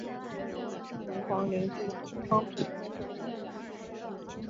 明皇陵地处昌平天寿山。